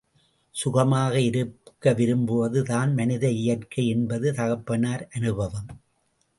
சுகமாக இருக்க விரும்புவது தான் மனித இயற்கை என்பது தகப்பனார் அனுபவம்.